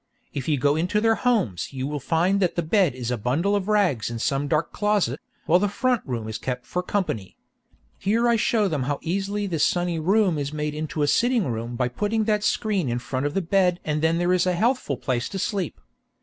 If you go into their homes you will find that the bed is a bundle of rags in some dark closet, while the front room is kept for company. Here I show them how easily this sunny room is made into a sitting room by putting that screen in front of the bed and then there is a healthful place to sleep.